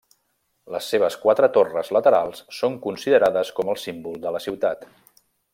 Les seves quatre torres laterals són considerades com el símbol de la ciutat.